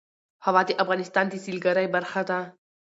هوا د افغانستان د سیلګرۍ برخه ده.